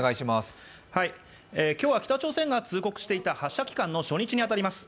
今日は北朝鮮が通告していた発射期間の初日に当たります。